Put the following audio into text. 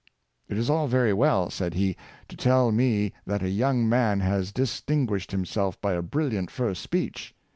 " It is all very well, said he, ^' to tell me that a young man has distinguished himself by a bril liant first speech.